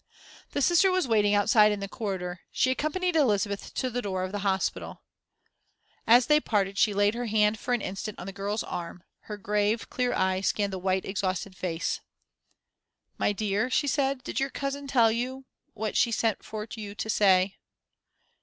The Sister was waiting outside in the corridor. She accompanied Elizabeth to the door of the hospital. As they parted she laid her hand for an instant on the girl's arm, her grave, clear eyes scanned the white, exhausted face. "My dear," she said, "did your cousin tell you what she sent for you to say?"